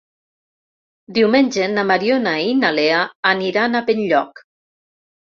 Diumenge na Mariona i na Lea aniran a Benlloc.